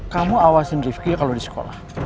kamu awasin rifki kalo di sekolah